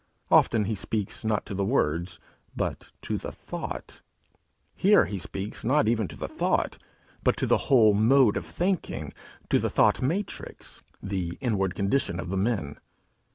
Often he speaks not to the words but to the thought; here he speaks not even to the thought, but to the whole mode of thinking, to the thought matrix, the inward condition of the men.